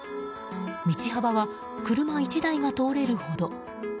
道幅は車１台が通れるほど。